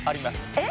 えっ？